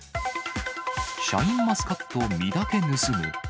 シャインマスカット実だけ盗む。